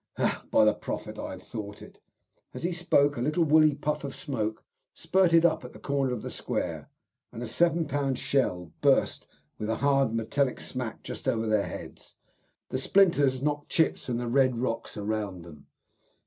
Ha! by the Prophet, I had thought it." As he spoke, a little woolly puff of smoke spurted up at the corner of the square, and a 7 lb. shell burst with a hard metallic smack just over their heads. The splinters knocked chips from the red rocks around them.